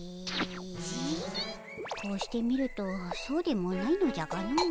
こうして見るとそうでもないのじゃがのう。